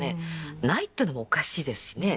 ないっていうのもおかしいですしね。